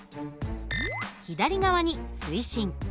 左側に水深。